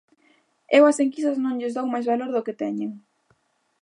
Eu ás enquisas non lles dou máis valor do que teñen.